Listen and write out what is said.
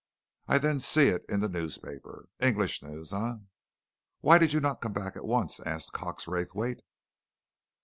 I then see it in the newspaper English news, eh?" "Why did you not come back at once?" asked Cox Raythwaite.